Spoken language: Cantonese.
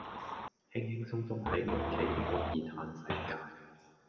輕輕鬆鬆喺屋企都可以嘆世界